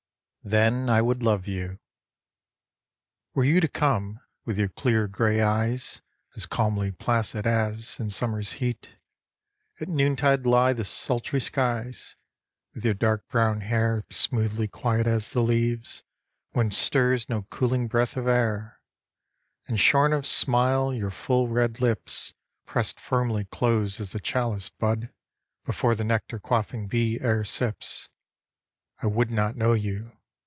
Then I Would Love You WERE you to come, With your clear, gray eyes As calmly placid as, in summer's heat, At noontide lie the sultry skies; With your dark, brown hair As smoothly quiet as the leaves When stirs no cooling breath of air; And shorn of smile, your full, red lips Prest firmly close as the chaliced bud, Before the nectar quaffing bee ere sips; I would not know you.